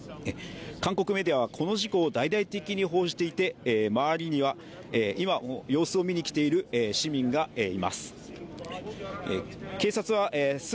韓国メディアは、この事故を大々的に報じていて、周りには今も様子を見にきている市民がいます。